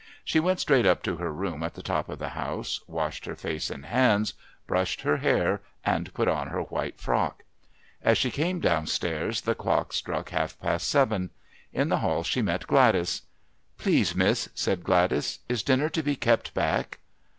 She went straight up to her room at the top of the house, washed her face and hands, brushed her hair and put on her white frock. As she came downstairs the clock struck half past seven. In the hall she met Gladys. "Please, miss," said Gladys, "is dinner to be kept back?"